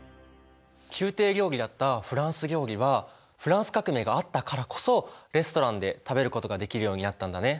宮廷料理だったフランス料理はフランス革命があったからこそレストランで食べることができるようになったんだね。